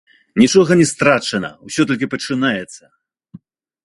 Нічога не страчана, усё толькі пачынаецца!